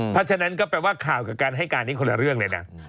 เพราะฉะนั้นก็แปลว่าข่าวกับการให้การนี้คนละเรื่องเลยนะ